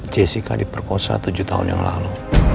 jessica diperkosa tujuh tahun yang lalu